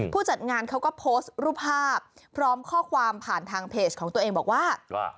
ผู้จัดงานเขาก็โพสต์รูปภาพพร้อมข้อความผ่านทางเพจของตัวเองบอกว่า